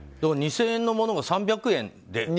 ２０００円のものが３００円。